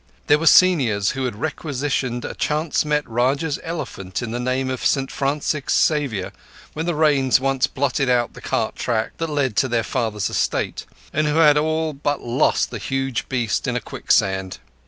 There were seniors who had requisitioned a chance met Rajah's elephant, in the name of St Francis Xavier, when the Rains once blotted out the cart track that led to their father's estate, and had all but lost the huge beast in a quicksand.